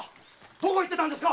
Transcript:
どこへ行ってたんですか！